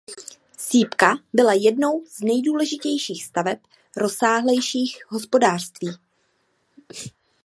Sýpka byla jednou z nejdůležitějších staveb rozsáhlejších hospodářství.